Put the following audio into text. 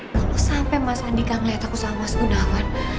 kalau sampai mas andika ngeliat aku sama mas gundawan